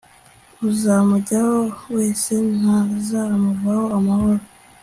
uzamujyaho wese, ntazamuvaho amahoro